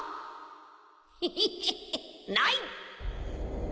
ヒヒヒヒない！